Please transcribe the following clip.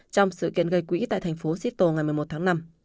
trong sự kiện gây quỹ tại thành phố sittle ngày một mươi một tháng năm